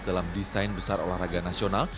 dalam desain besar olahraga nasional